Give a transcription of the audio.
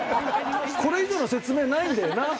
これ以上の説明ないんだよな。